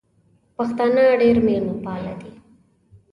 پښتانه ډېر مېلمه پال دي.